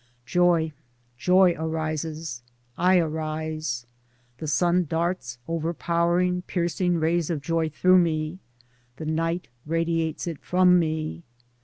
Joy, joy arises — I arise. The sun darts overpowering piercing rays of joy through me, the night radiates it from me.